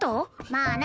まあな。